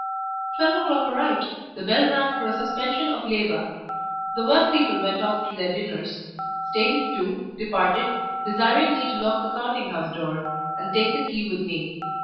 Twelve o'clock arrived; the bell rang for a suspension of labour; the workpeople went off to their dinners; Steighton, too, departed, desiring me to lock the counting house door, and take the key with me.